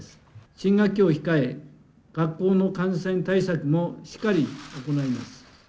新学期を控え、学校の感染対策もしっかり行います。